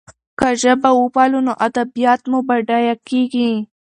که ژبه وپالو نو ادبیات مو بډایه کېږي.